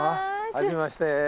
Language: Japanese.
はじめまして。